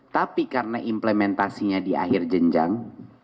tapi karena implementasinya di akhir jenjang